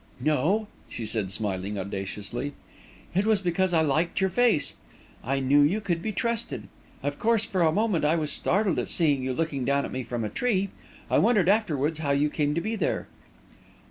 "No," she said, smiling audaciously, "it was because I liked your face I knew you could be trusted. Of course, for a moment I was startled at seeing you looking down at me from a tree. I wondered afterwards how you came to be there."